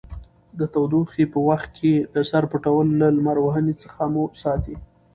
د تودوخې په وخت کې د سر پټول له لمر وهنې څخه مو ساتي.